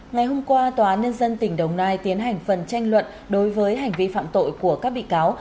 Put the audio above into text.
ngày hôm qua tòa án nhân dân tỉnh đồng nai tiến hành phần tranh luận đối với hành vi phạm tội của các bị cáo